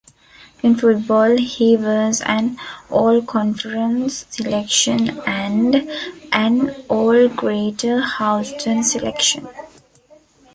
In football, he was an All-Conference selection and an All-Greater Houston selection.